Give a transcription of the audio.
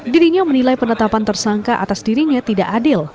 dirinya menilai penetapan tersangka atas dirinya tidak adil